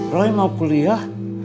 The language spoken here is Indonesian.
roy mau kuliah